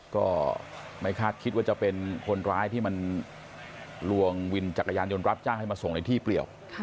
ก็ไม่คาดคิดว่าจะเป็นคนร้ายที่มันลวงวินจักรยานยนต์รับจ้างให้มาส่งในที่เปลี่ยว